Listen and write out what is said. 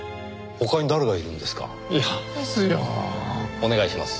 お願いします。